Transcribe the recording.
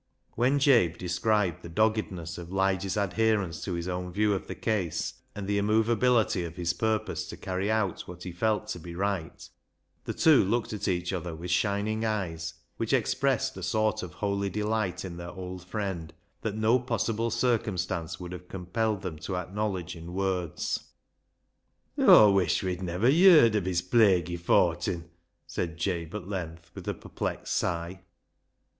When Jabe described the doggedness of Lige's adherence to his own view of the case, and the immovability of his purpose to carry out what he felt to be right, the two looked at each other with shining eyes which expressed a sort of holy delight in their old friend that no possible circumstance would have compelled them to acknowledge in words. " Aw wuish we'd ne'er yerd of his plaguey fortin," said Jabe at length, with a perplexed sigh.